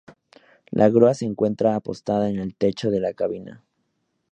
La grúa se encuentra apostada en el techo de la cabina.